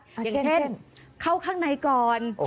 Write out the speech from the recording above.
อย่างเช่นเข้าข้างในก่อน